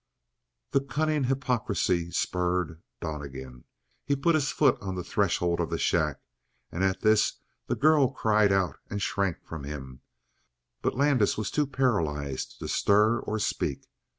The cunning hypocrisy spurred Donnegan. He put his foot on the threshold of the shack, and at this the girl cried out and shrank from him; but Landis was too paralyzed to stir or speak.